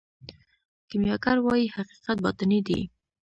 کیمیاګر وايي حقیقت باطني دی.